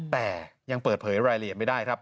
แต่ยังเปิดเผยรายละเอียดไม่ได้ครับ